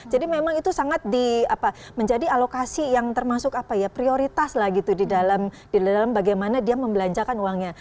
jadi memang itu sangat menjadi alokasi yang termasuk prioritas lah gitu di dalam bagaimana dia membelanjakan uangnya